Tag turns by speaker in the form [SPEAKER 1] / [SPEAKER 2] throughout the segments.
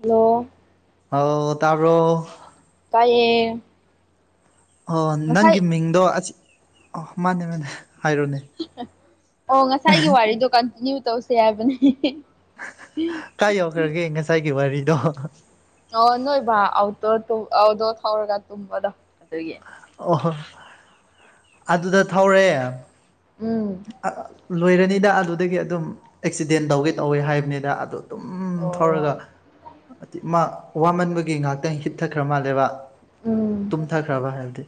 [SPEAKER 1] hello
[SPEAKER 2] hello ꯇꯥꯕꯔꯣ
[SPEAKER 1] ꯇꯥꯢꯌꯦ
[SPEAKER 2] ꯑꯣ ꯅꯪꯒꯤ ꯃꯤꯡꯗꯣ ꯑꯖꯤꯠ ꯑꯣ ꯃꯟꯅꯦ ꯃꯟꯅꯦ
[SPEAKER 1] ꯑꯣ ꯉꯁꯥꯏꯒꯤ ꯋꯥꯔꯤꯗꯣ ꯀꯟꯇꯤꯅ꯭ꯌꯨ ꯇꯧꯁꯦ ꯍꯥꯏꯕꯅꯦ
[SPEAKER 2] ꯀꯥꯏ ꯌꯧꯈ꯭ꯔꯒꯦ ꯉꯁꯥꯏꯒꯤ ꯋꯥꯔꯤꯗꯣ
[SPEAKER 1] ꯑꯣ ꯅꯣꯏ ꯕꯥ ꯑꯥꯎꯗꯣ ꯑꯥꯎꯇꯣ ꯊꯥꯎꯔꯒ ꯇꯨꯝꯕꯗꯣ ꯑꯗꯨꯒꯤ
[SPEAKER 2] ꯑꯣ ꯍꯣ ꯑꯗꯨꯗ ꯊꯧꯔꯦ
[SPEAKER 1] ꯎꯝ
[SPEAKER 2] ꯑꯥ ꯑꯥ ꯂꯣꯏꯔꯅꯤꯗ ꯑꯗꯨꯗꯒꯤ ꯑꯗꯨꯝ ꯑꯦꯛꯁꯤꯗꯦꯟ ꯇꯧꯒꯦ ꯇꯧꯋꯦ ꯍꯥꯏꯕꯅꯤꯗ ꯑꯗꯨ ꯑꯗꯨꯝ ꯊꯥꯎꯔꯒ
[SPEAKER 1] ꯑꯣ
[SPEAKER 2] ꯑꯇꯤꯃꯥ ꯋꯥꯃꯟꯕꯒꯤ ꯉꯥꯛꯇꯪ ꯍꯤꯞꯊꯈ꯭ꯔ ꯃꯥꯜꯂꯦꯕ
[SPEAKER 1] ꯎꯝ
[SPEAKER 2] ꯇꯨꯝꯊꯈ꯭ꯔꯕ ꯍꯥꯏꯕꯗꯤ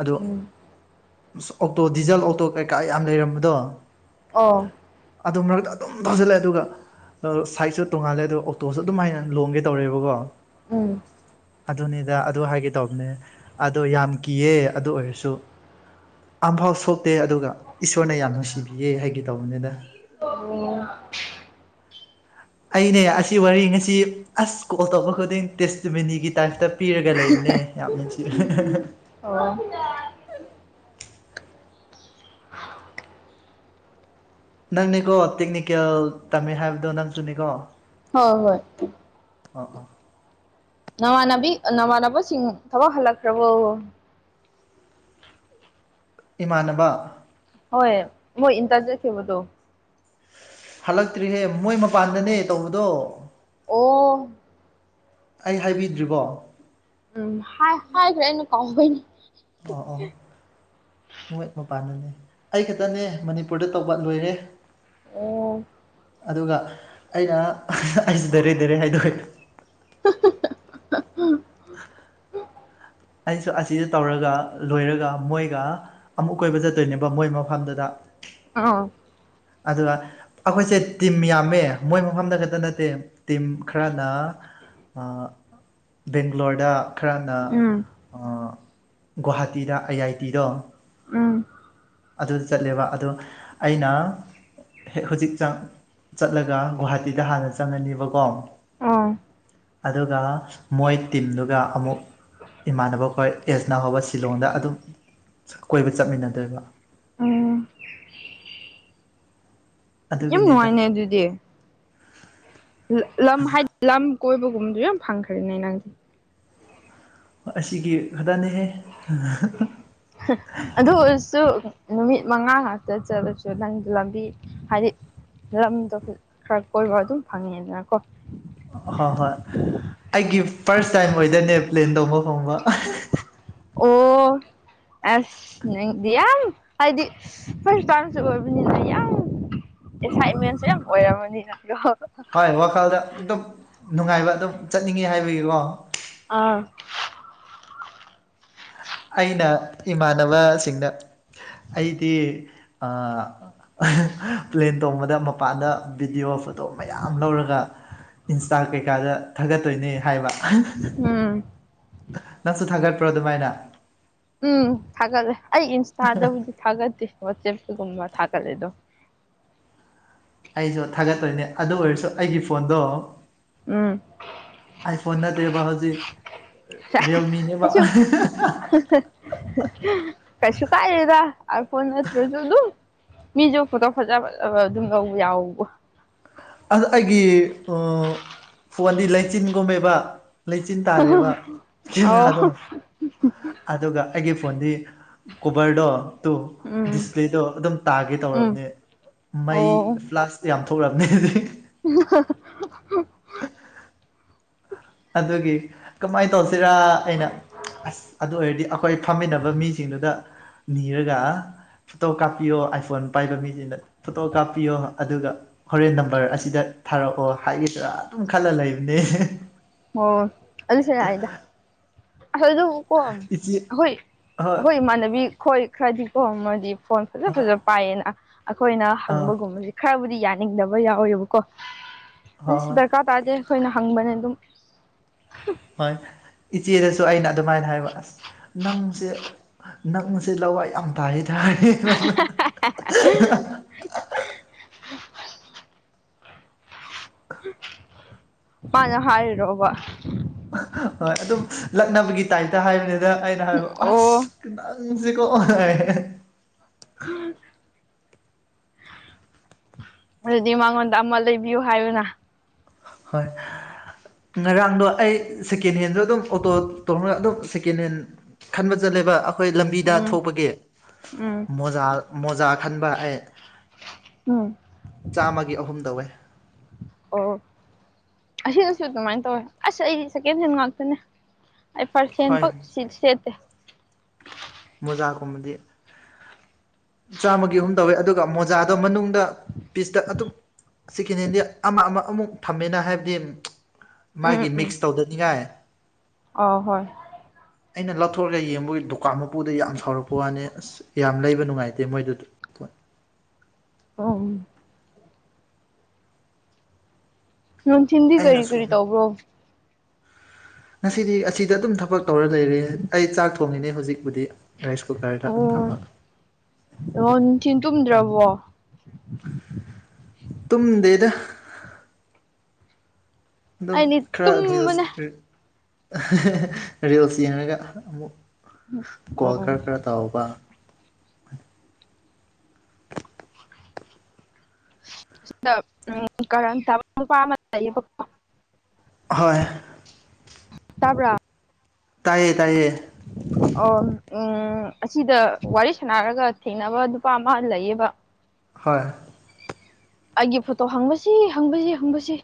[SPEAKER 2] ꯑꯗꯨ
[SPEAKER 1] ꯎꯝ
[SPEAKER 2] ꯑꯥꯁ ꯑꯣꯛꯇꯣ ꯗꯤꯖꯜ ꯑꯣꯛꯇꯣ ꯀꯩꯀꯥ ꯌꯥꯝ ꯂꯩꯔꯝꯕꯗꯣ
[SPEAKER 1] ꯑꯣ
[SPEAKER 2] ꯑꯗꯨ ꯃꯔꯛꯇ ꯑꯗꯨꯝ ꯊꯥꯖꯤꯜꯂꯦ ꯑꯗꯨꯒ ꯗꯣ ꯁꯥꯏꯠꯁꯨ ꯇꯣꯡꯉꯥꯜꯂꯦ ꯑꯗꯣ ꯑꯣꯛꯇꯣꯁꯨ ꯑꯗꯨꯝ ꯃꯥꯏꯅ ꯂꯣꯡꯒꯦ ꯇꯧꯔꯦꯕꯀꯣ
[SPEAKER 1] ꯎꯪ
[SPEAKER 2] ꯑꯗꯨꯅꯤꯗ ꯑꯗꯨ ꯍꯥꯏꯒꯦ ꯇꯧꯕꯅꯦ ꯑꯗꯣ ꯌꯥꯝ ꯀꯤꯌꯦ ꯑꯗꯨ ꯑꯣꯏꯔ ꯁꯨ ꯑꯃꯐꯥꯎ ꯁꯣꯛꯇꯦ ꯑꯗꯨꯒ ꯏꯁꯣꯔꯅ ꯌꯥꯝ ꯅꯨꯡꯁꯤꯕꯤꯌꯦ ꯍꯥꯏꯒꯦ ꯇꯧꯕꯅꯦꯗ
[SPEAKER 1] INAUDIBLE
[SPEAKER 2] ꯑꯩꯅꯦ ꯑꯁꯤ ꯋꯥꯔꯤ ꯉꯁꯤ ꯑꯥꯁ ꯀꯣꯜ ꯇꯧꯕ ꯈꯨꯗꯤꯡ ꯇꯦꯁꯇꯤꯃꯤꯅꯤꯒꯤ ꯇꯥꯏꯞꯇ ꯄꯤꯔꯒ ꯂꯩꯕꯅꯦ ꯌꯥꯝ ꯅꯨꯡꯁꯤꯌꯦ
[SPEAKER 1] INAUDIBLE
[SPEAKER 2] ꯅꯪꯅꯤꯀꯣ ꯇꯤꯛꯅꯤꯀꯦꯜ ꯇꯝꯃꯦ ꯍꯥꯏꯕꯗꯣ ꯅꯪꯁꯨꯅꯤꯀꯣ
[SPEAKER 1] ꯍꯣ ꯍꯣꯏ
[SPEAKER 2] INAUDIBLE
[SPEAKER 1] ꯅꯃꯥꯟꯅꯕꯤ ꯅꯃꯥꯟꯅꯕꯁꯤꯡ ꯊꯕꯛ ꯍꯜꯂꯛꯈ꯭ꯔꯕꯣ
[SPEAKER 2] ꯏꯃꯥꯟꯅꯕ
[SPEAKER 1] ꯍꯣꯏ ꯃꯣꯏ ꯏꯟꯇꯔꯟ ꯆꯠꯈꯤꯕꯗꯣ
[SPEAKER 2] ꯍꯜꯂꯛꯇ꯭ꯔꯤꯍꯦ ꯃꯣꯏ ꯃꯄꯥꯟꯗꯅꯦ ꯇꯧꯕꯗꯣ
[SPEAKER 1] ꯑꯣꯑꯣ
[SPEAKER 2] ꯑꯩ ꯍꯥꯏꯕꯤꯗ꯭ꯔꯤꯕꯣ
[SPEAKER 1] ꯎꯝ ꯍꯥꯏ ꯍꯥꯏꯈ꯭ꯔꯦ ꯉꯁꯥꯢꯒꯩꯅ
[SPEAKER 2] ꯑꯣ ꯑꯣ ꯃꯣꯏ ꯃꯄꯥꯥꯟꯗꯅꯦ ꯑꯩꯈꯛꯇꯅꯦ ꯃꯅꯤꯄꯨꯔꯗ ꯇꯧꯕ ꯂꯣꯏꯔꯦ
[SPEAKER 1] ꯑꯣꯑꯣ
[SPEAKER 2] ꯑꯗꯨꯒ ꯑꯩꯅꯥ ꯑꯩꯁ ꯗꯥꯏꯔꯦꯛ- ꯗꯥꯢꯔꯦꯛ ꯍꯥꯏꯗꯣꯛꯑꯦ
[SPEAKER 1] UNINTELLIGIBLE
[SPEAKER 2] ꯑꯩꯁꯨ ꯑꯁꯤꯖꯨ ꯇꯧꯔꯒꯥ ꯂꯣꯏꯔꯒꯥ ꯃꯣꯏꯒꯥ ꯑꯃꯨꯛ ꯀꯣꯏꯕ ꯆꯠꯇꯣꯏꯅꯦꯕ ꯃꯣꯏ ꯃꯐꯝꯗꯨꯗ
[SPEAKER 1] INAUDIBLE
[SPEAKER 2] ꯑꯗꯨꯒ ꯑꯩꯈꯣꯏꯁꯦ ꯇꯤꯝ ꯌꯥꯝꯃꯦ ꯃꯣꯏ ꯃꯐꯝꯗ ꯈꯛꯇ ꯅꯠꯇꯦ ꯇꯤꯝ ꯈꯔꯅ ꯑꯥ ꯕꯦꯡꯒ꯭ꯂꯣꯔꯗ ꯈꯔꯅ
[SPEAKER 1] ꯎꯝ
[SPEAKER 2] ꯑꯥ ꯒꯨꯍꯥꯇꯤꯗ ꯑꯥꯏ ꯑꯥꯏ ꯇꯤꯗꯣ
[SPEAKER 1] ꯎꯪ
[SPEAKER 2] ꯑꯗꯨꯗ ꯆꯠꯂꯦꯕ ꯑꯗꯣ ꯑꯩꯅ ꯍꯦꯛ ꯍꯧꯖꯤꯛ ꯆꯥꯛ ꯆꯠꯂꯒ ꯒꯨꯍꯥꯇꯤꯗ ꯍꯥꯟꯅ ꯆꯪꯉꯅꯤꯕꯀꯣ
[SPEAKER 1] INAUDIBLE
[SPEAKER 2] ꯑꯗꯨꯒ ꯃꯣꯏ ꯇꯤꯝꯗꯨꯒ ꯑꯃꯨꯛ ꯏꯃꯥꯟꯅꯕꯈꯣꯏ ꯑꯦꯖꯅꯥ ꯍꯧꯕ ꯁꯤꯂꯣꯡꯗ ꯑꯗꯨꯝ ꯀꯣꯏꯕ ꯆꯠꯃꯤꯟꯅꯗꯣꯏꯕ
[SPEAKER 1] INAUDIBLE ꯌꯥꯝ
[SPEAKER 2] ꯑꯗꯨꯒꯤꯅꯤꯗ
[SPEAKER 1] ꯅꯨꯡꯉꯥꯏꯅꯦ ꯑꯗꯨꯗꯤ ꯂ ꯂꯝ ꯍꯥꯏꯗꯤ ꯂꯝ ꯀꯣꯏꯕꯒꯨꯝꯕꯗꯨ ꯌꯥꯝ ꯐꯪꯈ꯭ꯔꯦꯅꯦ ꯅꯪ
[SPEAKER 2] ꯍꯣ ꯑꯁꯤꯒꯤ ꯈꯛꯇꯅꯦꯍꯦ
[SPEAKER 1] ꯍꯥ ꯑꯗꯨ ꯑꯣꯏꯔꯁꯨ ꯅꯨꯃꯤꯠ ꯃꯉꯥ ꯉꯥꯛꯇ ꯆꯠꯂꯁꯨ ꯅꯪ ꯂꯝꯕꯤ ꯍꯥꯏꯗꯤ ꯂꯝꯗꯣ ꯈꯔ ꯀꯣꯏꯕ ꯑꯗꯨꯝ ꯐꯪꯉꯦꯗꯅ ꯀꯣ
[SPEAKER 2] ꯍꯣꯏ ꯍꯣꯏ ꯄ꯭ꯂꯦꯟꯇꯣꯡꯕ ꯐꯪꯕ
[SPEAKER 1] ꯑꯣ ꯑꯦꯁ ꯅꯪꯗꯤ ꯌꯥꯝ ꯍꯥꯏꯗꯤ ꯐ꯭ꯔꯁꯇꯥꯏꯝꯁꯨ ꯑꯣꯏꯕꯅꯤꯅ ꯌꯥꯝ ꯑꯦꯛꯁꯥꯏꯠꯃꯦꯟꯁꯨ ꯌꯥꯝ ꯑꯣꯏꯔꯝꯃꯅꯤ ꯅꯪꯗꯣ
[SPEAKER 2] ꯍꯣꯏ ꯋꯥꯈꯜꯗ ꯑꯗꯨꯝ ꯅꯨꯡꯉꯥꯏꯕ ꯑꯗꯨꯝ ꯆꯠꯅꯤꯡꯉꯤ ꯍꯥꯏꯕꯒꯤꯀꯣ
[SPEAKER 1] ꯑꯥ
[SPEAKER 2] ꯑꯩꯅ ꯏꯃꯥꯟꯅꯕꯁꯤꯡꯗ ꯑꯩꯗꯤ ꯑ ꯄ꯭ꯂꯦꯟ ꯇꯣꯡꯕꯗ ꯃꯄꯥꯟꯗ ꯚꯤꯗꯤꯑꯣ ꯐꯣꯇꯣ ꯃꯌꯥꯝ ꯂꯧꯔꯒ ꯏꯟꯁꯇꯥ ꯀꯩꯀꯥꯗ ꯊꯥꯒꯠꯇꯣꯏꯅꯦ ꯍꯥꯏꯕ
[SPEAKER 1] ꯑꯝ
[SPEAKER 2] ꯄ꯭ꯔ ꯗꯨꯃꯥꯢꯅ
[SPEAKER 1] ꯎꯝ ꯊꯥꯒꯠꯂꯦ ꯑꯩ ꯏꯟꯁꯇꯥꯗꯕꯨꯗꯤ ꯊꯥꯒꯠꯇꯦ ꯋꯥꯆꯦꯞ ꯒꯨꯝꯕ ꯊꯥꯒꯠꯂꯦ ꯑꯗꯨꯝ
[SPEAKER 2] ꯑꯩꯁꯨ ꯊꯥꯒꯠꯇꯣꯏꯅꯦ ꯑꯗꯨ ꯑꯣꯏꯔꯁꯨ ꯑꯩꯒꯤ ꯐꯣꯟꯗꯣ
[SPEAKER 1] ꯎꯝ
[SPEAKER 2] ꯑꯥꯏꯐꯣꯟ ꯅꯠꯇꯦꯕ ꯍꯧꯖꯤꯛ ꯔꯤꯌꯦꯜꯃꯤꯅꯦꯕ
[SPEAKER 1] ꯑꯩꯁꯨ ꯀꯩꯁꯨ ꯀꯥꯏꯗꯦꯗ ꯑꯥꯢꯐꯣꯟ ꯅꯠꯇ꯭ꯔꯁꯨ ꯑꯗꯨꯝ ꯃꯤꯁꯨ ꯐꯣꯇꯣ ꯐꯖ ꯐꯖꯕ ꯑꯗꯨꯝ ꯂꯧ ꯌꯥꯎꯕ
[SPEAKER 2] ꯑꯗꯨ ꯑꯩꯒꯤ ꯐꯣꯟꯗꯤ ꯂꯩꯆꯤꯟꯒꯨꯝꯃꯦꯕ ꯂꯩꯆꯤꯟ ꯇꯥꯔꯦꯕ
[SPEAKER 1] ꯑꯣ
[SPEAKER 2] ꯀꯦꯃꯦꯔꯥꯗꯣ ꯑꯗꯨꯒ ꯑꯩꯒꯤ ꯐꯣꯟꯗꯤ ꯀꯣꯕꯔꯗꯣ ꯇꯣ
[SPEAKER 1] ꯎꯝ
[SPEAKER 2] ꯗꯤꯁꯄ꯭ꯂꯦꯗꯣ ꯑꯗꯨꯝ ꯇꯥꯒꯦ
[SPEAKER 1] ꯎꯝ
[SPEAKER 2] ꯇꯧꯔꯕꯅꯦ ꯃꯩ
[SPEAKER 1] ꯑꯣ
[SPEAKER 2] ꯐ꯭ꯂꯥꯁ ꯌꯥꯝ ꯊꯣꯛꯂꯝꯅꯤ ꯑꯗꯨꯒꯤ
[SPEAKER 1] [unintelligible]
[SPEAKER 2] ꯑꯗꯨꯒꯤ ꯀꯃꯥꯏꯅ ꯇꯧꯁꯤ ꯁꯤꯔꯥ ꯑꯩꯅ ꯑꯁ ꯑꯗꯨ ꯑꯣꯏꯔꯗꯤ ꯑꯈꯣꯏ ꯐꯝꯃꯤꯟꯅꯕ ꯃꯤꯁꯤꯡꯗꯨꯗ ꯅꯤꯔꯒ ꯐꯣꯇꯣ ꯀꯥꯞꯄꯤꯌꯣ ꯑꯥꯏꯐꯣꯟ ꯄꯥꯏꯕ ꯃꯤꯁꯤꯡꯅ ꯐꯣꯇꯣ ꯀꯥꯞꯄꯤꯌꯣ ꯑꯗꯨꯒ ꯍꯣꯔꯦꯟ ꯅꯝꯕꯔ ꯑꯁꯤꯗ ꯊꯥꯔꯛꯑꯣ ꯍꯥꯏꯁꯤꯔ ꯑꯗꯨꯝ ꯈꯜꯂ ꯂꯩꯕꯅꯦ
[SPEAKER 1] ꯑꯣ ꯑꯗꯨꯁꯨ ꯌꯥꯏꯗ ꯑꯗꯨꯕꯨ ꯀꯣ
[SPEAKER 2] ꯏꯆꯦ
[SPEAKER 1] ꯑꯈꯣꯏ
[SPEAKER 2] ꯍꯣꯏ
[SPEAKER 1] ꯑꯈꯣꯏ ꯏꯃꯥꯟꯅꯕꯤ ꯈꯣꯏ ꯈꯔꯗꯤꯀꯣ ꯃꯥꯜꯗꯤꯞ ꯐꯣꯟ ꯐꯖ
[SPEAKER 2] ꯑꯥ
[SPEAKER 1] ꯐꯖ ꯄꯥꯏꯌꯦꯅ ꯑꯈꯣꯏꯅ
[SPEAKER 2] ꯑꯥ
[SPEAKER 1] ꯍꯪꯕꯒꯨꯝꯕꯁꯤ ꯈꯔꯕꯨꯗꯤ ꯌꯥꯅꯤꯡꯗꯕ ꯌꯥꯎꯋꯦꯕꯀꯣ
[SPEAKER 2] ꯍꯣꯏ
[SPEAKER 1] ꯑꯗꯨꯢꯁꯨ
[SPEAKER 2] ꯍꯣꯏ
[SPEAKER 1] ꯗꯔꯀꯥꯔ ꯇꯥꯗꯦ ꯑꯩꯈꯣꯏꯅ ꯍꯪꯕꯅꯦ ꯑꯗꯨꯝ
[SPEAKER 2] ꯍꯣꯏ ꯀꯤꯠ ꯏꯆꯦꯗꯁꯨ ꯑꯩꯅ ꯑꯗꯨꯃꯥꯏꯅ ꯍꯥꯏꯕ ꯑꯁ ꯅꯪꯁꯦ ꯅꯪꯁꯦ ꯂꯋꯥꯏ ꯌꯥꯝ ꯇꯥꯢꯌꯦꯗ [unintelligible]
[SPEAKER 1] ꯃꯥꯅ ꯍꯥꯏꯔꯤꯔꯣꯕ
[SPEAKER 2] ꯍꯣꯏ ꯑꯗꯨꯝ ꯂꯛꯅꯕꯒꯤ ꯇꯥꯏꯞꯇ ꯍꯥꯏꯕꯅꯤꯗ ꯑꯩꯅ ꯍꯥꯏꯕ ꯑꯁ
[SPEAKER 1] ꯑꯣ
[SPEAKER 2] ꯀꯅꯥꯅꯣ ꯅꯪꯁꯤ ꯀꯣ ꯍꯥꯢ
[SPEAKER 1] ꯑꯗꯨꯗꯤ ꯃꯉꯣꯟꯗ ꯑꯃ ꯂꯩꯕꯤꯌꯨ ꯍꯥꯏꯌꯨꯅ
[SPEAKER 2] ꯍꯣꯏ ꯉꯔꯥꯡꯗꯣ ꯑꯩ ꯁꯦꯀꯦꯟ ꯍꯦꯟꯗꯣ ꯑꯗꯨꯝ ꯑꯣꯇꯣ ꯇꯣꯡꯔ ꯑꯗꯨꯝ ꯁꯦꯀꯦꯟ ꯍꯦꯟ ꯈꯟꯕ ꯆꯠꯂꯦꯕ ꯑꯩꯈꯣꯏ ꯂꯝꯕꯤꯗ
[SPEAKER 1] ꯎꯝ
[SPEAKER 2] ꯊꯣꯛꯄꯒꯤ
[SPEAKER 1] ꯎꯝ
[SPEAKER 2] ꯃꯣꯖꯥ ꯃꯣꯖꯥ ꯈꯟꯕ ꯑꯩ
[SPEAKER 1] ꯎꯝ
[SPEAKER 2] ꯆꯥꯝꯃꯒꯤ ꯑꯍꯨꯝ ꯇꯧꯋꯦ
[SPEAKER 1] ꯑꯣ ꯑꯁꯤꯗꯁꯨ ꯑꯗꯨꯃꯥꯏꯅ ꯇꯧꯋꯦ ꯑꯁ ꯑꯩꯗꯤ ꯁꯦꯀꯦꯟ ꯍꯦꯟ ꯉꯥꯛꯇꯅꯦ ꯑꯩ ꯐꯥꯔꯁꯍꯦꯟ
[SPEAKER 2] ꯍꯣꯏ
[SPEAKER 1] ꯐꯥꯎ ꯁꯤ ꯁꯦꯠꯇꯦ
[SPEAKER 2] ꯑꯣꯖꯥꯒꯨꯝꯕꯗꯤ ꯆꯥꯝꯃꯒꯤ ꯑꯍꯨꯝ ꯇꯧꯋꯦ ꯑꯗꯨꯒ ꯃꯣꯖꯥꯗꯣ ꯃꯅꯨꯡꯗ ꯄꯤꯁꯇ ꯑꯗꯨꯝ ꯁꯦꯀꯦꯟ ꯍꯦꯟꯗꯤ ꯑꯃ ꯑꯃ ꯑꯃꯨꯛ ꯊꯝꯃꯦꯅ ꯍꯥꯏꯕꯗꯤ ꯃꯥꯒꯤ ꯃꯤꯛꯁ ꯇꯧꯗꯅꯤꯡꯉꯥꯏ
[SPEAKER 1] ꯑ ꯍꯣꯏ
[SPEAKER 2] ꯑꯩꯅ ꯂꯧꯊꯣꯔ ꯌꯦꯡꯕꯒꯤ ꯗꯨꯀꯥꯟ ꯃꯄꯨꯗꯣ ꯌꯥꯝ ꯁꯥꯎꯔꯛꯄ ꯋꯥꯅꯦ ꯑꯁ ꯌꯥꯝ ꯂꯩꯕ ꯅꯨꯡꯉꯥꯏ [unintelligible]
[SPEAKER 1] ꯑꯣꯝ ꯅꯨꯊꯤꯟꯗꯤ
[SPEAKER 2] ꯑꯩꯅ
[SPEAKER 1] ꯀꯔꯤ ꯀꯔꯤ
[SPEAKER 2] ꯁꯣꯝ
[SPEAKER 1] ꯇꯧꯕ꯭ꯔꯣ
[SPEAKER 2] ꯉꯁꯤꯗꯤ ꯑꯁꯤꯗ ꯑꯗꯨꯝ ꯊꯕꯛ ꯇꯧꯔ ꯂꯩꯔꯦ ꯑꯩ ꯆꯥꯛ ꯊꯣꯡꯉꯤꯅꯦ ꯍꯧꯖꯤꯛꯄꯨꯗꯤ ꯔꯥꯏꯁ ꯀꯨꯀꯔꯗ
[SPEAKER 1] ꯑꯣ
[SPEAKER 2] ꯊꯝꯃꯒ
[SPEAKER 1] ꯑꯣ ꯅꯨꯡꯊꯤꯟ ꯇꯨꯝꯗ꯭ꯔꯕꯣ [inaudible]
[SPEAKER 2] ꯇꯨꯝꯗꯦꯗ ꯑꯗꯨꯝ
[SPEAKER 1] ꯑꯩꯗꯤ
[SPEAKER 2] ꯈꯔ
[SPEAKER 1] ꯇꯨꯝꯕꯅꯦ
[SPEAKER 2] [unintelligible] ꯔꯤꯜꯁ ꯌꯦꯡꯔꯒ ꯑꯃꯨꯛ ꯀꯣꯜ
[SPEAKER 1] ꯎꯝ
[SPEAKER 2] ꯈꯔ ꯈꯔ ꯇꯧꯕ
[SPEAKER 1] [inaudible] [inaudible]
[SPEAKER 2] ꯍꯣꯏ
[SPEAKER 1] ꯇꯥꯕꯔꯥ
[SPEAKER 2] ꯇꯥꯏꯌꯦ ꯇꯥꯏꯌꯦ
[SPEAKER 1] ꯑꯣ ꯎꯝ ꯑꯁꯤꯗ ꯋꯥꯔꯤ ꯁꯥꯟꯅꯔꯒ ꯊꯦꯡꯅꯕ ꯅꯨꯄꯥ ꯑꯃ ꯂꯩꯌꯦꯕ
[SPEAKER 2] ꯍꯣꯏ
[SPEAKER 1] ꯑꯩꯒꯤ ꯐꯣꯇꯣ ꯍꯪꯕꯁꯤ ꯍꯪꯕꯁꯤ ꯍꯪꯕꯁꯤ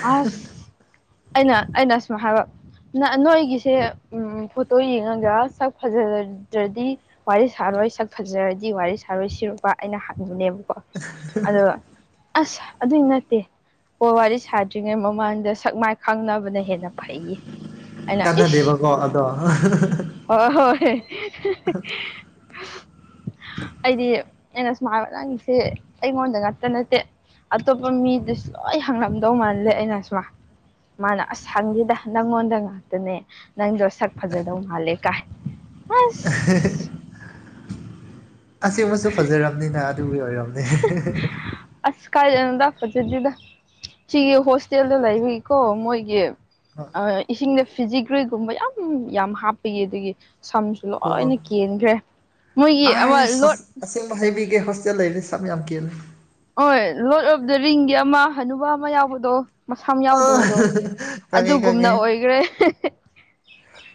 [SPEAKER 1] ꯑꯁ ꯑꯩꯅ ꯑꯩꯅ ꯁꯨꯝ ꯍꯥꯏꯕ ꯅ ꯅꯣꯏꯒꯤꯁꯦ ꯎꯝ ꯐꯣꯇꯣ ꯌꯦꯡꯉꯒ ꯁꯛ ꯐꯖꯔꯗ꯭ꯔꯗꯤ ꯋꯥꯔꯤ ꯁꯥꯔ ꯍꯣꯏ ꯁꯛ ꯐꯖꯔꯗꯤ ꯋꯥꯔꯤ ꯁꯥꯔꯣꯏ ꯁꯤꯔꯨꯕ ꯑꯩꯅ ꯍꯪꯕꯅꯦꯕ ꯑꯗꯣ ꯑꯁ ꯑꯗꯨꯏ ꯅꯠꯇꯦ ꯀꯣꯜ ꯋꯥꯔꯤ ꯁꯥꯗ꯭ꯔꯤꯉꯩ ꯃꯃꯥꯡꯗ ꯁꯛ ꯃꯥꯏ ꯈꯪꯅꯕꯅ ꯍꯦꯟꯅ ꯐꯩꯌꯦ ꯑꯩꯅ ꯏꯁ
[SPEAKER 2] ꯀꯥꯟꯅꯗꯦꯕꯀꯣ ꯑꯗꯣ
[SPEAKER 1] [unintelligible] ꯑꯩꯗꯤ ꯑꯩꯅ ꯁꯨꯝ ꯍꯕꯥ ꯅꯪꯁꯦ ꯑꯩꯉꯣꯟꯗ ꯉꯛꯇ ꯅꯠꯇꯦ ꯑꯇꯣꯞꯄ ꯃꯤꯗꯨꯁꯨ ꯂꯣꯏ ꯍꯪꯉꯝꯗꯧ ꯃꯥꯜꯂꯦ ꯑꯩꯅ ꯁꯨꯃ ꯃꯥꯅ ꯑꯁ ꯍꯪꯗꯦꯗ ꯅꯪꯉꯣꯟꯗ ꯉꯥꯛꯇꯅꯦ ꯅꯪꯗꯣꯛ ꯁꯛ ꯐꯖꯗꯧ ꯃꯥꯜꯂꯦ ꯀꯥ
[SPEAKER 2] [unintelligible] ꯑꯁꯦꯡꯕꯁꯨ ꯐꯖꯔꯝꯅꯤꯅ ꯑꯗꯨꯒꯤ ꯑꯣꯏꯔꯝꯅꯤ
[SPEAKER 1] ꯑꯁ ꯀꯥꯏꯗꯩꯅꯣꯗ ꯐꯖꯗꯦꯗ ꯁꯤꯒꯤ ꯍꯣꯁꯇꯦꯜꯗ ꯂꯩꯕꯒꯤꯀꯣ ꯃꯣꯏꯒꯤ ꯑꯥ ꯏꯁꯤꯡꯗ ꯐꯤꯖꯤꯒ꯭ꯔꯤꯒꯨꯝꯕ ꯌꯥꯝ ꯌꯥꯝ ꯍꯥꯞꯄꯒꯤ ꯑꯗꯨꯒꯤ ꯁꯝꯁꯨ
[SPEAKER 2] ꯍꯣꯏ ꯍꯣꯏ
[SPEAKER 1] ꯂꯣꯏꯅ ꯀꯦꯟꯈ꯭ꯔꯦ ꯃꯣꯏꯒꯤ ꯑꯃ
[SPEAKER 2] ꯑꯁ
[SPEAKER 1] ꯂꯣꯠ
[SPEAKER 2] ꯑꯁꯦꯡꯕ ꯍꯥꯏꯕꯤꯒꯦ ꯍꯣꯁꯇꯦꯜ [unintelligible]
[SPEAKER 1] ꯍꯣꯏ ꯂꯣꯠ ꯑꯣꯞ ꯗꯥ ꯔꯤꯡꯒꯤ ꯑꯃ ꯍꯥꯅꯨꯕ ꯑꯃ ꯌꯥꯎꯕꯗꯣ ꯃꯁꯥꯝ
[SPEAKER 2] ꯑ
[SPEAKER 1] ꯌꯥꯎꯗꯕꯗꯣ
[SPEAKER 2] ꯈꯪꯉꯦ
[SPEAKER 1] ꯑꯗꯨꯒꯨꯝꯅ
[SPEAKER 2] ꯈꯪꯉꯦ
[SPEAKER 1] ꯑꯣꯏꯒ꯭ꯔꯦ ꯍꯦꯍꯦ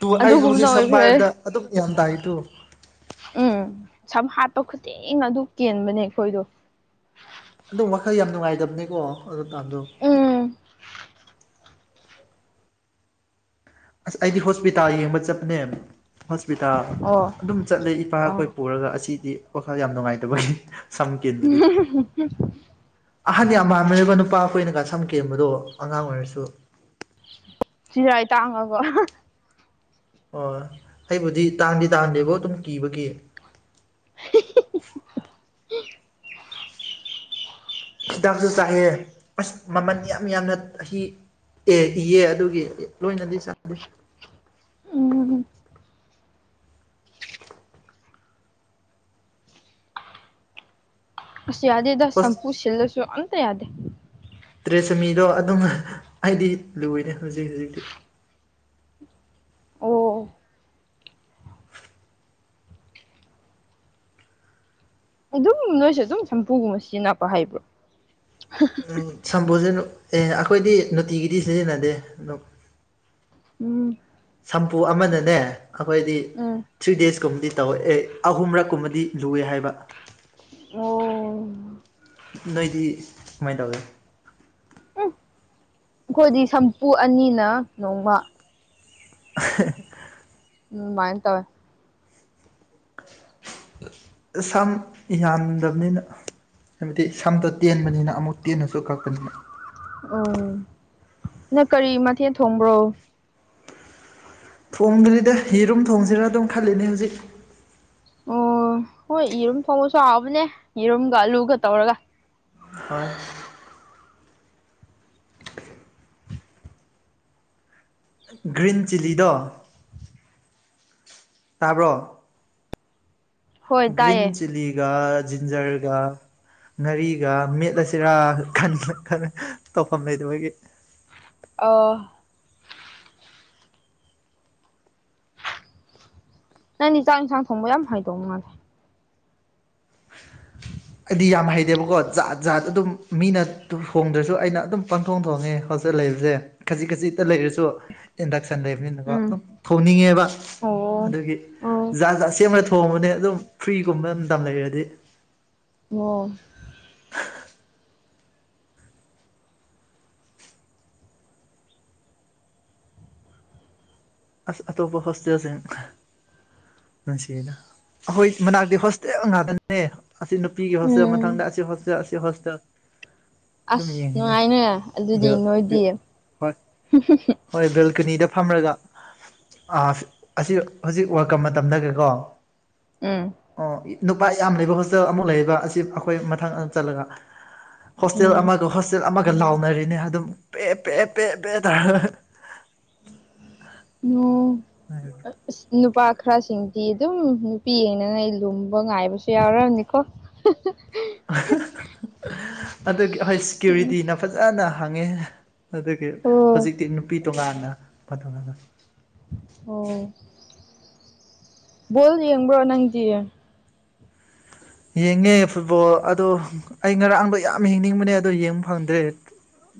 [SPEAKER 2] ꯇꯨ ꯑꯩꯁꯨ
[SPEAKER 1] ꯑꯗꯨꯒꯨꯝꯅ
[SPEAKER 2] ꯍꯧꯖꯤꯛ ꯁꯝ
[SPEAKER 1] ꯑꯣꯏꯈ꯭ꯔꯦ
[SPEAKER 2] ꯄꯥꯏꯕꯗ [unintelligible]
[SPEAKER 1] ꯎꯝ ꯁꯝ ꯍꯥꯠꯄ ꯈꯨꯗꯤꯡ ꯑꯗꯨ ꯀꯦꯟꯕꯅꯦ ꯑꯩꯈꯣꯏꯗꯣ
[SPEAKER 2] ꯑꯗꯨꯝ ꯋꯥꯈꯜ ꯌꯥꯝ ꯅꯨꯡꯉꯥꯏꯇꯕꯅꯦꯀꯣ ꯑꯗꯨ ꯇꯥꯟꯗꯣ
[SPEAKER 1] ꯎꯝ
[SPEAKER 2] ꯑꯁ ꯑꯩꯗꯤ ꯍꯣꯁꯄꯤꯇꯥꯜ ꯌꯦꯡꯕ ꯆꯠꯄꯅꯦ ꯍꯣꯁꯄꯤꯇꯥꯜ
[SPEAKER 1] ꯑꯣ
[SPEAKER 2] ꯑꯗꯨꯝ ꯆꯠꯂꯦ ꯏꯄꯥ
[SPEAKER 1] ꯑꯥ
[SPEAKER 2] ꯏꯈꯣꯏ ꯄꯨꯔꯒ ꯑꯁꯤꯗꯤ ꯋꯥꯈꯜ ꯌꯥꯝ ꯅꯨꯡꯉꯥꯏꯇꯕꯒꯤ ꯁꯝ ꯀꯦꯟꯕꯗꯤ
[SPEAKER 1] [unintelligible]
[SPEAKER 2] ꯑꯍꯟ ꯌꯥꯝ ꯃꯥꯟꯕꯅꯦꯕ ꯅꯨꯄꯥ ꯑꯩꯈꯣꯏꯅꯒ ꯁꯝ ꯀꯦꯟꯕꯗꯣ ꯑꯉꯥꯡ ꯑꯣꯏꯔꯁꯨ
[SPEAKER 1] ꯆꯤꯔꯥꯏ ꯇꯥꯡꯉꯕꯣ
[SPEAKER 2] ꯍꯣꯏ ꯑꯩꯕꯨꯗꯤ ꯇꯥꯟꯗꯤ ꯇꯥꯟꯗꯦꯕꯣ ꯑꯗꯨꯝ ꯀꯤꯕꯒꯤ
[SPEAKER 1] [unintelligible]
[SPEAKER 2] ꯍꯤꯗꯥꯛꯁꯨ ꯆꯥꯏꯑꯦ ꯑꯁ ꯃꯃꯜ ꯌꯥꯝ ꯌꯥꯝꯅ ꯆꯍꯤ ꯑꯦ ꯏꯌꯦ ꯑꯗꯨꯒꯤ ꯂꯣꯏꯅꯗꯤ ꯆꯥꯗꯦ
[SPEAKER 1] ꯎꯝ ꯑꯁ ꯌꯥꯗꯦꯗ
[SPEAKER 2] ꯍꯣꯁ
[SPEAKER 1] ꯁꯝꯄꯨ ꯁꯤꯜꯂꯁꯨ ꯑꯝꯇ ꯌꯥꯗꯦ
[SPEAKER 2] ꯇ꯭ꯔꯦ ꯆꯝꯃꯤꯗꯣ ꯑꯗꯨꯝ ꯑꯩꯗꯤ ꯂꯣꯏꯔꯦ ꯍꯧꯖꯤꯛ ꯍꯧꯖꯤꯛꯇꯤ
[SPEAKER 1] ꯑꯣ ꯑꯗꯨꯝ ꯅꯣꯏꯁꯨ ꯑꯗꯨꯝ ꯁꯝꯄꯨꯒꯨꯝꯕ ꯁꯤꯖꯤꯟꯅꯕ ꯍꯩꯕ꯭ꯔꯣ
[SPEAKER 2] ꯑꯝ ꯁꯝꯄꯨꯁꯦ ꯅꯨꯝ ꯑꯦ ꯑꯩꯈꯣꯏꯗꯤ ꯅꯨꯡꯇꯤꯒꯤꯗꯤ ꯁꯤꯖꯤꯟꯅꯗꯦ ꯅꯨꯝ
[SPEAKER 1] ꯎꯝ
[SPEAKER 2] ꯁꯝꯐꯨ ꯑꯃꯗꯅꯦ ꯑꯩꯈꯣꯏꯗꯤ
[SPEAKER 1] ꯎꯝ
[SPEAKER 2] ꯊ꯭ꯔꯤ ꯗꯦꯖꯀꯨꯝꯕꯗꯤ ꯇꯧ ꯌꯦ ꯑꯩ ꯑꯍꯨꯝꯔꯛꯀꯨꯝꯕꯗꯤ ꯂꯨꯋꯦ ꯍꯥꯏꯕ
[SPEAKER 1] ꯑꯣ
[SPEAKER 2] ꯅꯣꯏꯗꯤ ꯀꯃꯥꯏꯅ ꯇꯧꯒꯦ
[SPEAKER 1] ꯎꯝ ꯑꯩꯈꯣꯏꯗꯤ ꯁꯝꯄꯨ ꯑꯅꯤꯅ ꯅꯣꯡꯃ
[SPEAKER 2] [unintelligible]
[SPEAKER 1] ꯎꯝ ꯃꯥꯥꯏꯅ ꯇꯧꯋꯦ
[SPEAKER 2] ꯁꯝ ꯌꯥꯝꯗꯕꯅꯤꯅ ꯍꯥꯏꯕꯗꯤ ꯁꯝꯇꯨ ꯇꯦꯟꯕꯅꯤꯅ ꯑꯃꯨꯛ ꯇꯦꯟꯅꯁꯨ ꯀꯛꯄꯅꯤꯅ
[SPEAKER 1] ꯎꯝ ꯅꯪ ꯀꯔꯤ ꯃꯊꯦꯜ ꯊꯣꯡꯕ꯭ꯔꯣ
[SPEAKER 2] ꯊꯣꯡꯗ꯭ꯔꯤꯗ ꯌꯦꯔꯨꯝ ꯊꯣꯡꯁꯤꯔꯥ ꯑꯗꯨꯝ ꯈꯜꯂꯤꯅꯦ ꯍꯧꯖꯤꯛ
[SPEAKER 1] ꯑꯣ ꯍꯣꯏ ꯌꯦꯔꯨꯝ ꯊꯣꯡꯕꯁꯨ ꯍꯥꯎꯕꯅꯦ ꯌꯦꯔꯨꯝꯒ ꯑꯂꯨꯒ ꯇꯧꯔꯒ
[SPEAKER 2] ꯍꯣꯏ ꯒ꯭ꯔꯤꯟ ꯆꯤꯂꯤꯗꯣ ꯇꯥꯕ꯭ꯔꯣ
[SPEAKER 1] ꯍꯣꯏ
[SPEAKER 2] ꯒ꯭ꯔꯤꯟ
[SPEAKER 1] ꯇꯥꯏꯌꯦ
[SPEAKER 2] ꯆꯤꯂꯤꯒ ꯖꯤꯟꯖꯔꯒ ꯉꯥꯔꯤꯒ ꯃꯦꯠꯂꯁꯤꯔꯥ ꯈꯟꯕ ꯈꯟ ꯇꯧꯐꯝ ꯂꯩꯇꯕꯒꯤ
[SPEAKER 1] ꯑꯣ ꯅꯪꯗꯤ ꯆꯥꯛ ꯏꯟꯁꯥꯡ ꯊꯣꯡꯕ ꯌꯥꯝ ꯍꯩꯗꯧ ꯃꯥꯜꯂꯦ [inaudible]
[SPEAKER 2] ꯑꯩꯗꯤ ꯌꯥꯝ ꯍꯩꯇꯦꯕꯀꯣ ꯖꯥꯠ ꯖꯥꯠ ꯑꯗꯨꯝ ꯃꯤꯅ ꯍꯣꯡꯗ꯭ꯔꯁꯨ ꯑꯩꯅ ꯑꯗꯨꯝ ꯄꯪꯊꯣꯡ ꯊꯣꯡꯉꯦ ꯍꯣꯁꯇꯦꯜ ꯂꯩꯕꯁꯦ ꯈꯖꯤꯛ ꯈꯖꯤꯛꯇ ꯂꯩꯔꯁꯨ ꯏꯟꯗꯛꯁꯟ ꯁꯟ ꯂꯩꯕꯅꯤꯅꯀꯣ
[SPEAKER 1] ꯎꯝ
[SPEAKER 2] ꯑꯗꯨꯝ ꯊꯣꯡꯅꯤꯡꯉꯦꯕ
[SPEAKER 1] ꯑꯣ
[SPEAKER 2] ꯑꯗꯨꯒꯤ
[SPEAKER 1] ꯑꯣ
[SPEAKER 2] ꯖꯥꯠ ꯖꯥꯠ ꯁꯦꯝꯃ ꯊꯣꯡꯕꯅꯦ ꯑꯗꯨꯝ ꯐ꯭ꯔꯤꯒꯨꯝꯕ ꯃꯇꯝ ꯂꯩꯔꯗꯤ
[SPEAKER 1] ꯑꯣ
[SPEAKER 2] ꯑꯁ ꯑꯇꯣꯞꯄ ꯍꯣꯁꯇꯦꯜꯁꯤꯡ ꯃꯁꯤꯅ ꯑꯩꯈꯣꯏ ꯃꯅꯥꯛꯇꯤ ꯍꯣꯁꯇꯦꯜ ꯉꯥꯛꯇꯅꯦ ꯑꯁꯤ ꯅꯨꯄꯤꯒꯤ ꯍꯣꯁꯇꯦꯜ
[SPEAKER 1] ꯎꯝ
[SPEAKER 2] ꯃꯊꯪꯗ ꯑꯁꯤ ꯍꯣꯁꯇꯦꯜ ꯑꯁꯤ ꯍꯣꯁꯇꯦꯜ ꯑꯗꯨꯝ
[SPEAKER 1] ꯑꯁ
[SPEAKER 2] ꯌꯦꯡꯒꯅꯤ
[SPEAKER 1] ꯅꯨꯡꯉꯥꯏꯅꯦ ꯑꯗꯨꯗꯤ
[SPEAKER 2] ꯕꯦꯜ ꯕꯦ
[SPEAKER 1] ꯅꯣꯏꯗꯤ
[SPEAKER 2] ꯍꯣꯏ ꯍꯣꯢ ꯕꯤꯜꯗꯤ ꯀꯅꯤꯗ ꯐꯝꯔꯒ ꯑꯥꯐ ꯑꯁꯤꯗ ꯍꯧꯖꯤꯛ ꯋꯥꯔꯜꯀꯞ ꯃꯇꯝꯗꯒꯤꯀꯣ
[SPEAKER 1] ꯎꯝ
[SPEAKER 2] ꯑꯣ ꯅꯨꯄꯥ ꯌꯥꯝ ꯂꯩꯕ ꯍꯣꯁꯇꯦꯜ ꯑꯃꯨꯛ ꯂꯩꯑꯦꯕ ꯑꯁꯤ ꯑꯩꯈꯣꯏ ꯃꯊꯪ ꯆꯠꯂꯒ ꯍꯣꯁꯇꯦꯜ
[SPEAKER 1] ꯎꯝ
[SPEAKER 2] ꯑꯃꯗꯣ ꯍꯣꯁꯇꯦꯜ ꯑꯃ ꯂꯥꯎꯅꯔꯤꯅꯦ ꯑꯗꯨꯝ ꯄꯦ ꯄꯦ ꯄꯦ ꯄꯦ ꯇꯔꯒ
[SPEAKER 1] ꯑꯣ ꯅꯨꯄꯥ ꯈꯔꯁꯤꯡꯗꯤ ꯑꯗꯨꯝ ꯅꯨꯄꯤ ꯌꯦꯡꯂꯒ ꯑꯩ ꯂꯨꯝꯕ ꯉꯥꯏꯕꯁꯨ ꯌꯥꯎꯔꯝꯅꯤꯀꯣ
[SPEAKER 2] ꯑꯗꯨꯒꯤ ꯑꯩꯈꯣꯢ ꯁꯦꯀ꯭ꯌꯨꯔꯤꯇꯤꯅ ꯐꯖꯅ ꯍꯪꯉꯦ ꯑꯗꯨꯒꯤ
[SPEAKER 1] ꯑꯣ
[SPEAKER 2] ꯍꯧꯖꯤꯛꯇꯤ ꯅꯨꯄꯤ ꯇꯣꯉꯥꯟꯅ ꯅꯨꯄꯥ ꯇꯣꯉꯥꯟꯅ
[SPEAKER 1] ꯑꯣ ꯕꯣꯜ ꯌꯦꯡꯕ꯭ꯔꯣ ꯅꯪꯗꯤ
[SPEAKER 2] ꯌꯦꯡꯉꯦ ꯐꯨꯠꯕꯣꯜ ꯑꯗꯣ ꯑꯩ ꯉꯔꯥꯡꯗꯣ ꯌꯥꯝ ꯌꯦꯡꯅꯤꯡꯕꯅꯦ ꯑꯗꯣ ꯌꯦꯡꯕ ꯐꯪꯗ꯭ꯔꯦ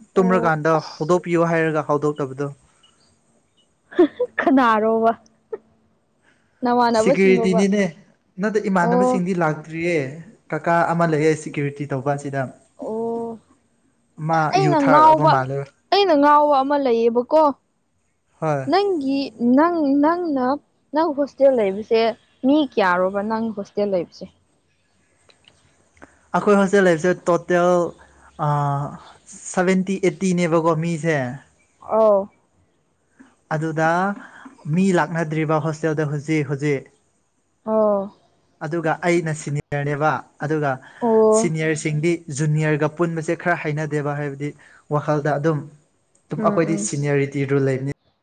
[SPEAKER 1] ꯑꯣ
[SPEAKER 2] ꯇꯨꯝꯔꯀꯥꯟꯗ
[SPEAKER 1] ꯑꯁ
[SPEAKER 2] ꯍꯧꯗꯣꯛꯄꯤꯌꯣ ꯍꯥꯏꯔꯒ ꯍꯧꯗꯣꯛꯇꯕꯗꯣ
[SPEAKER 1] ꯈꯅꯥꯔꯣ ꯋꯥ
[SPEAKER 2] ꯁꯦꯀ꯭ꯌꯨꯔꯤꯇꯤꯅꯤꯅꯦ ꯅꯠꯇꯦ
[SPEAKER 1] ꯑꯣ
[SPEAKER 2] ꯏꯃꯥꯟꯅꯕꯁꯤꯡꯗꯤ ꯂꯥꯛꯇꯦ ꯌꯦ ꯀꯥꯀꯥ ꯑꯃ ꯂꯩꯌꯦ ꯁꯦꯀ꯭ꯌꯨꯔꯤꯇꯤ ꯇꯧꯕꯁꯤꯗ
[SPEAKER 1] ꯑꯣ ꯑꯩꯅ ꯉꯥꯎꯕ ꯑꯩꯅ ꯉꯥꯎꯕ ꯑꯃ ꯂꯩꯌꯦꯕꯀꯣ
[SPEAKER 2] ꯍꯣꯏ
[SPEAKER 1] ꯅꯪꯒꯤ ꯅꯪ ꯅꯪꯅ ꯅꯪ ꯍꯣꯁꯇꯦꯜ ꯂꯩꯕꯁꯦ ꯃꯤ ꯀꯌꯥꯔꯣꯕ ꯅꯪ ꯍꯣꯁꯇꯦꯜ ꯂꯩꯕꯁꯦ [inaudible]
[SPEAKER 2] ꯑꯩꯈꯣꯏ ꯍꯣꯁꯇꯦꯜ ꯂꯩꯕꯁꯦ ꯇꯣꯇꯦꯜ ꯑ ꯁꯚꯦꯟꯇꯤ ꯑꯦꯠꯇꯤꯅꯦꯕꯀꯣ ꯃꯤꯁꯦ
[SPEAKER 1] ꯑꯧ
[SPEAKER 2] ꯑꯗꯨꯗ ꯃꯤ ꯂꯥꯛꯅꯗ꯭ꯔꯤꯕ ꯍꯣꯁꯇꯦꯜꯗ ꯍꯧꯖꯤꯛ ꯍꯧꯖꯤꯛ
[SPEAKER 1] ꯑꯣ
[SPEAKER 2] ꯑꯗꯨꯒ ꯑꯩꯅ ꯁꯤꯅꯤꯌꯔꯅꯦꯕ ꯑꯗꯨꯒ
[SPEAKER 1] ꯑꯣ
[SPEAKER 2] ꯁꯤꯅꯤꯌꯔꯁꯤꯡꯗꯤ ꯖꯨꯅꯤꯌꯔꯒ ꯄꯨꯟꯕꯁꯦ ꯈꯔ ꯍꯥꯏꯅꯗꯦꯕ ꯍꯥꯏꯕꯗꯤ ꯋꯥꯈꯜꯗ ꯑꯗꯨꯝ ꯇꯨꯝ
[SPEAKER 1] ꯎꯝ
[SPEAKER 2] ꯑꯩꯈꯣꯏꯗꯤ
[SPEAKER 1] ꯎꯝ
[SPEAKER 2] ꯁꯤꯅꯤꯌꯔꯔꯤꯇꯤ ꯔꯨꯜ ꯂꯩꯕꯅꯤ